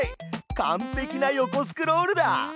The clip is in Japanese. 完ぺきな横スクロールだ！